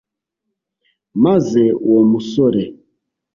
maze uwo musore